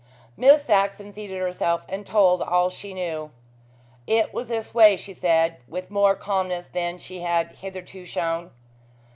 Miss Saxon seated herself and told all she knew. "It was this way," she said, with more calmness than she had hitherto shown.